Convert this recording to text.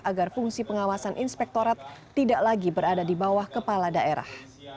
agar fungsi pengawasan inspektorat tidak lagi berada di bawah kepala daerah